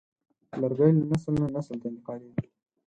لرګی له نسل نه نسل ته انتقالېږي.